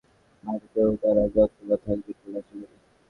শুধু দেশের মাটিতে নয়, বিদেশের মাটিতেও তারা যত্নবান থাকবেন বলে আশা করি।